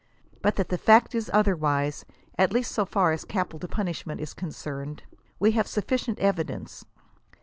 But that the fact is otherwise, at least so far as capital punishment is concerned, we have sufficient evidence.